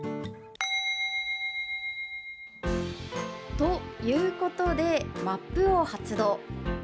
ということで、マップを発動！